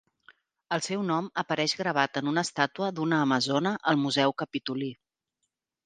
El seu nom apareix gravat en una estàtua d'una amazona al Museu Capitolí.